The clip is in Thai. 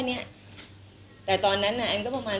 เนี่ยแต่ตอนนั้นอันนึงก็ประมาณ